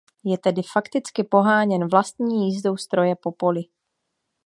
Je tedy fakticky poháněn vlastní jízdou stroje po poli.